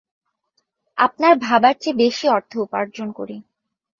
আপনার ভাবার চেয়ে বেশি অর্থ উপার্জন করি।